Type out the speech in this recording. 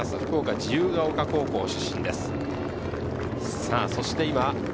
福岡自由が丘高校出身です。